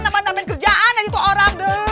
namanya kerjaan aja tuh orang